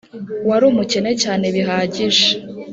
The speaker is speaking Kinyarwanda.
wari umukene cyane bihagije